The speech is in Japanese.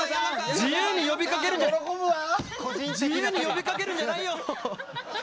自由に呼びかけるんじゃないよ！